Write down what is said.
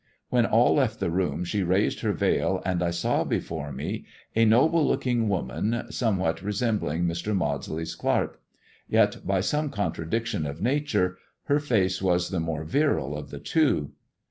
When all left the room she raised her veil, and I saw before me a noble looking woman, somewhat re sembling Mr. Maudsley's clerk. Yet, by some contradiction of nature, her face was the more virile of the two.